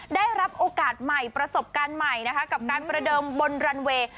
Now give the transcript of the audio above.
ได้รับโอกาสใหม่ประสบการณ์ใหม่นะคะกับการประเดิมบนรันเวย์